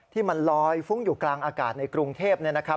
ที่มันลอยฟุ้งอยู่กลางอากาศในกรุงเทพนะครับ